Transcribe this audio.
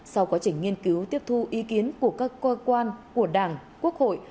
sau quá trình nghiên cứu tiếp thu ý kiến của các cơ quan của đảng quốc hội